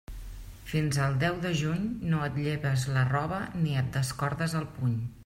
Fins al deu de juny no et lleves la roba ni et descordes el puny.